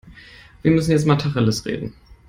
Wir müssen jetzt mal Tacheles reden.